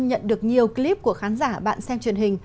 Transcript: nhận được nhiều clip của khán giả bạn xem truyền hình